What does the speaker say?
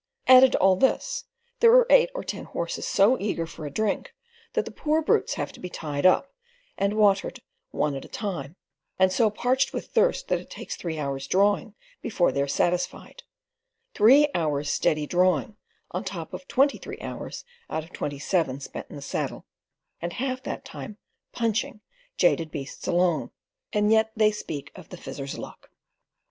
Added to all this, there are eight or ten horses so eager for a drink that the poor brutes have to be tied up, and watered one at a time; and so parched with thirst that it takes three hours' drawing before they are satisfied—three hours' steady drawing, on top of twenty three hours out of twenty seven spent in the saddle, and half that time "punching" jaded beasts along; and yet they speak of the "Fizzer's luck."